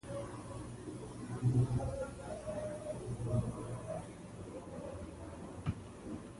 د نوښت په لټه کې باید لار ورکه نه کړو.